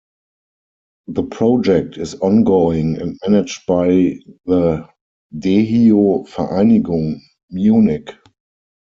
The project is ongoing and managed by the 'Dehio-Vereinigung', Munich.